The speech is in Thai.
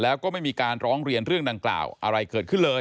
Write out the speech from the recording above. แล้วก็ไม่มีการร้องเรียนเรื่องดังกล่าวอะไรเกิดขึ้นเลย